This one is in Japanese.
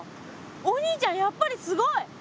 お兄ちゃんやっぱりすごい。